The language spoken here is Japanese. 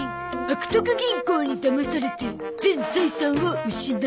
「悪徳銀行にだまされて全財産を失う」